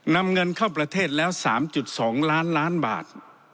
นำเงินเข้าประเทศแล้ว๓๒ล้านล้านบาท